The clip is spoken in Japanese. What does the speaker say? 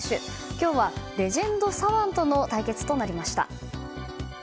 今日はレジェンド左腕との対決となりました。